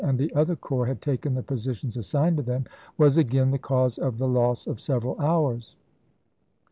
' and the other corps had taken the positions assigned them, was again the cause of the loss of several hours.